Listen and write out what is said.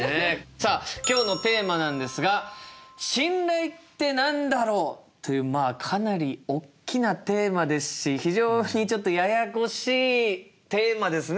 さあ今日のテーマなんですが「『信頼』って何だろう？」っていうかなりおっきなテーマですし非常にちょっとややこしいテーマですね